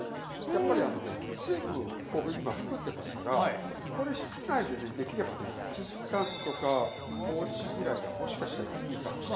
やっぱりあのね水分をここに今含んでますからこれ室内でねできればね１時間とか放置ぐらいがもしかしたらいいかもしれない。